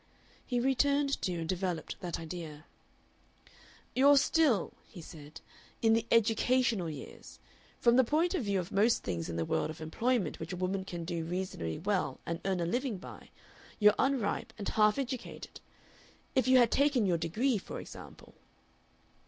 He returned to and developed that idea. "You're still," he said, "in the educational years. From the point of view of most things in the world of employment which a woman can do reasonably well and earn a living by, you're unripe and half educated. If you had taken your degree, for example."